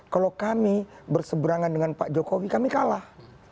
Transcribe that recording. kalau kami berseberangan dengan pak jokowi kami kalah